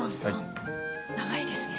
長いですね。